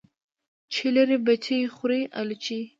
چی لری بچي خوري الوچی .